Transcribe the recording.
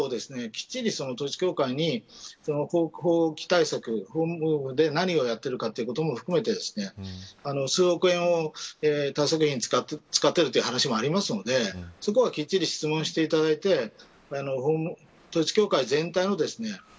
きっちり統一教会にその法務対策の方で何をやっているのかということも含めて数億円を対策費に使っているという話もありますのでそこはきっちり質問していただいて統一教会全体のですね